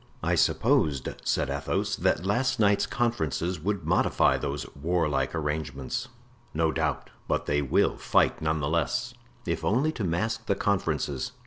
"I supposed," said Athos, "that last night's conferences would modify those warlike arrangements." "No doubt; but they will fight, none the less, if only to mask the conferences."